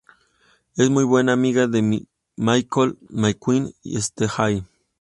Es muy buena amiga de Michaela McQueen y Ste Hay.